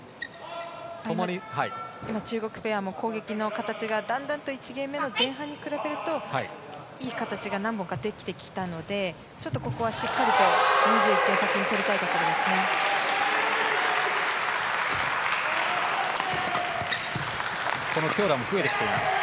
今、中国ペアも攻撃の形がだんだんと１ゲーム目の前半に比べるといい形が何本かできてきたのでここはしっかりと２１点先に取りたいところです。